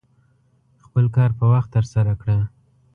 خپل کار په وخت ترسره کړه.